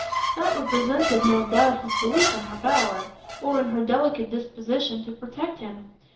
That represented no doubt his belief in her power, or in her delicate disposition to protect him.